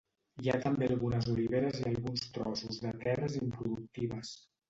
Hi ha també algunes oliveres i alguns trossos de terres improductives.